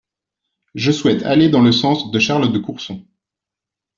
Je souhaite aller dans le sens de Charles de Courson.